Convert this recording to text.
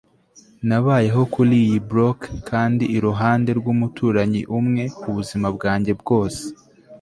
nabayeho kuriyi blok, kandi iruhande rwumuturanyi umwe, ubuzima bwanjye bwose